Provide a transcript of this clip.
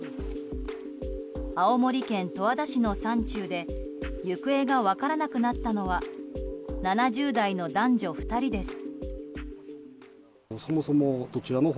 青森県十和田市の山中で行方が分からなくなったのは７０代の男女２人です。